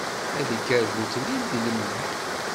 Ad ikker butlil di lemleḥ.